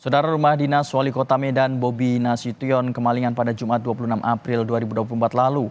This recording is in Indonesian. saudara rumah dinas wali kota medan bobi nasution kemalingan pada jumat dua puluh enam april dua ribu dua puluh empat lalu